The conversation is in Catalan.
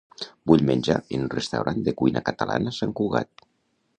Vull menjar en un restaurant de cuina catalana a Sant Cugat.